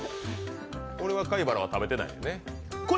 これは海原は食べてないのね？